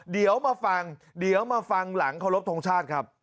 เดี๋ยวมาฟังเดี๋ยวมาฟังหลังเคารพทงชาติครับ